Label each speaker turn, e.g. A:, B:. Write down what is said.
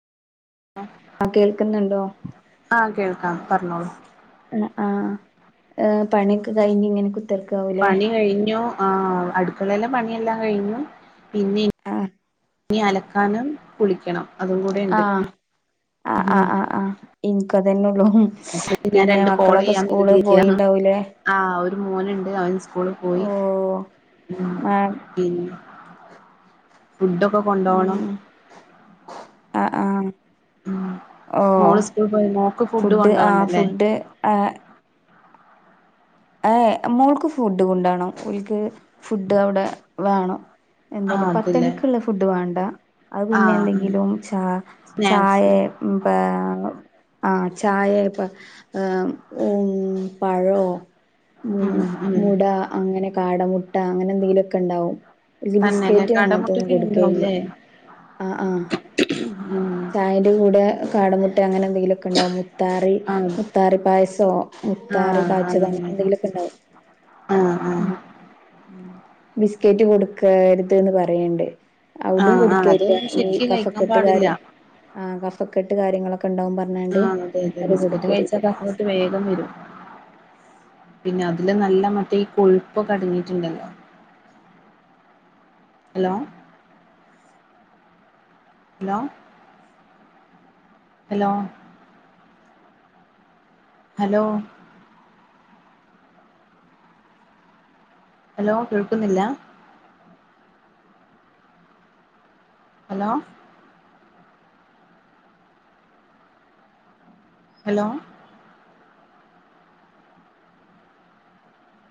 A: ആഹ് കേൾക്കുന്ന്ണ്ടോ?
B: ആഹ് കേൾക്കാം പറഞ്ഞോളൂ.
A: ആഹ്, ഏഹ് പണിയൊക്കെ കയിഞ്ഞിങ്ങനെ കുത്ത്
B: പണി കഴിഞ്ഞു. ആഹ് അടുക്കളിലെ പണിയെല്ലാം കഴിഞ്ഞു പിന്നെ,
A: ആ
B: ഇനി അലക്കാനും കുളിക്കണം. അതും കൂടെ ഉണ്ട്
A: ആഹ്, ആഹ്,
B: ഉം
A: ആഹ്, ആഹ് ആഹ് ഇൻകതന്നൊള്ളൂ ഹ്മ്മ്,
B: അപ്പഴേക്ക് ഞാൻ
A: പിന്നെ
B: രണ്ട് കോള്
A: മക്കളൊക്കെ
B: ചെയ്യാൻ
A: സ്കൂള്
B: കരുതിയിരിക്കയാണ്
A: പോയിണ്ടാവൂലേ
B: ആഹ് ഒരു മോനുണ്ട് അവൻ സ്കൂള്
A: ഓ
B: പോയി. ഹ്മ്മ്
A: ആ
B: പിന്നെ ഫുഡൊക്കെ കൊണ്ടോണം
A: ആഹ്.
B: ഉം
A: ഓഹ്,
B: മോള് സ്കൂളിൽ പോയി മോക്ക്
A: ഫുഡ് ആഹ്
B: കൊണ്ടോവണ്ടല്ലേ
A: ഫുഡ് ഏഹ് ഏഹ്, മോൾക്ക് ഫുഡ് കൊണ്ടോണം, ഓൽക്ക് ഫുഡ് അവിടെ വേണം. എന്തേനി
B: ആഹ് അതല്ലേ
A: പത്തണിക്ക്ള്ള ഫുഡ് വാണ്ട അത് പിന്നെ
B: ആഹ് ഉം
A: എന്തെങ്കിലും ച
B: സ്നാക്സ്
A: ചായേ [unintelligible] ആഹ് ചായ [unintelligible] പഴോ
B: ഉം
A: ഹ്മ്മ്,
B: ഉം
A: മുട അങ്ങനെ കാടമുട്ട അങ്ങനെ എന്തെങ്കിലുമൊക്കെ ഇണ്ടാവും. ഒരു
B: തന്നെല്ലേ
A: ബിസ്കറ്റ് അങ്ങനത്തൊന്നും
B: കടമുട്ടൊക്കെ
A: കൊടുക്കേല്ല.
B: ഉണ്ടാവുല്ലേ
A: ആഹ് ആഹാ,
B: ഉം
A: ചായന്റെ കൂടെ കാടമുട്ട അങ്ങനെന്തെങ്കിലൊക്കെണ്ടാവു മുത്താറി,
B: ആഹ്
A: മുത്താറി പായസോ മുത്താറി
B: ആഹ്
A: കാച്ചതോ അങ്ങനെ
B: ആഹ്
A: എന്തെങ്കിലൊക്കെ ഇണ്ടാവും
B: ആഹ് ആഹ്
A: ഹ്മ്മ്. ബിസ്കറ്റ് കൊടുക്കരുത് ന്ന് പറയ്ണ്ട്. അവുടിം
B: ആഹ് ആഹ്
A: കൊടുക്കരുത്
B: അതൊന്നും
A: ഈ
B: ശരിക്ക് കഴിക്കാൻ
A: കഫക്കെട്ട്
B: പാടില്ല
A: കാര്. ആഹ് കഫക്കെട്ട് കാര്യങ്ങളൊ
B: ആഹ് അതെ അതെ ബിസ്ക്കറ്റ് കഴിച്ചക്ക കഫ കെട്ട് വേഗം വരും പിന്നെ അതില് നല്ല മറ്റേ ഈ കൊഴുപ്പ് ഒക്കെ അടങ്ങിട്ടുണ്ടല്ലോ hello hello hello hello hello കേൾക്കുന്നില്ല ഹലോ ഹലോ